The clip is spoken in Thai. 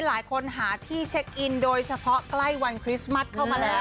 หลายคนหาที่เช็คอินโดยเฉพาะใกล้วันคริสต์มัสเข้ามาแล้ว